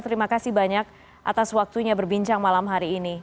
terima kasih banyak atas waktunya berbincang malam hari ini